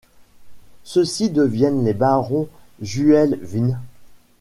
Ceux-ci deviennent les barons Juel-Vind.